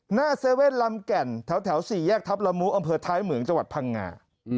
๗๑๑ลำแก่นแถว๔แยกทัพละมุอำเภอท้ายเหมืองจังหวัดพังงา